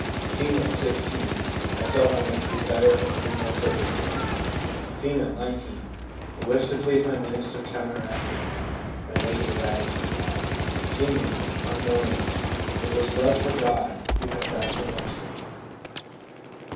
F., 16. ' I felt I must be better and do more good in the world/ R, 19. ' The wish to please my minister counteracted my negative attitude.' F., :—.* It was love for God who had done so much for me.'